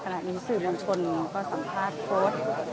เลขไทย